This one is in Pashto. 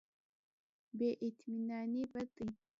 بې اطمیناني بد دی.